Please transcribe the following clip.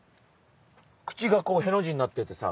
口がこうへの字になっててさ。